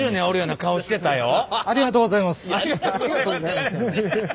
ありがとうございます！